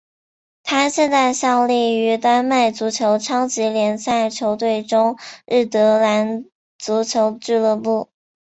他现在效力于丹麦足球超级联赛球队中日德兰足球俱乐部。